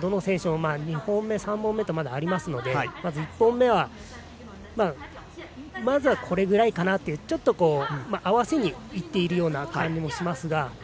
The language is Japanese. どの選手も２本目、３本目とまだありますので１本目はまずはこれぐらいかなとちょっと合わせにいっているような感じもしますが。